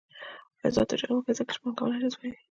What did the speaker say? آزاد تجارت مهم دی ځکه چې پانګونه جذبوي.